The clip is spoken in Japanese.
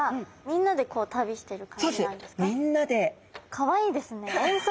かわいいですね。